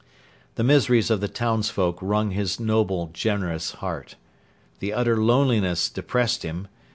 The miseries of the townsfolk wrung his noble, generous heart. The utter loneliness depressed him.